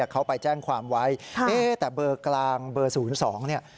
เขาไปแจ้งความไว้เอ๊ะแต่เบอร์กลางเบอร์๐๒เนี่ย